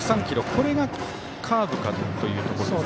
これがカーブかというところ。